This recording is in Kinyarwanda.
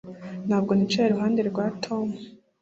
Ntabwo nicaye iruhande rwa Tom